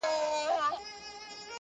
شرمنده به د پردیو مزدوران سي-